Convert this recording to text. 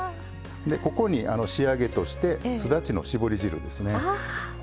ここに仕上げとしてすだちの搾り汁ですね。